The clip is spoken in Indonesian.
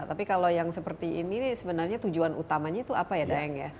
tapi kalau yang seperti ini sebenarnya tujuan utamanya itu apa ya daeng ya